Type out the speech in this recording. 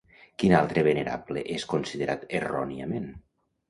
Quin altre venerable és considerat erròniament?